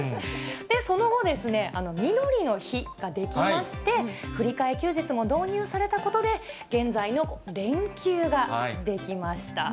その後ですね、みどりの日が出来まして、振り替え休日も導入されたことで、現在の連休が出来ました。